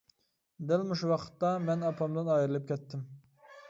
دەل مۇشۇ ۋاقىتتا مەن ئاپامدىن ئايرىلىپ كەتتىم.